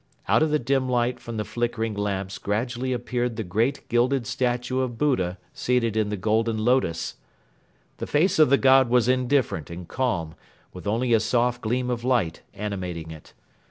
Out of the dim light from the flickering lamps gradually appeared the great gilded statue of Buddha seated in the Golden Lotus. The face of the god was indifferent and calm with only a soft gleam of light animating it.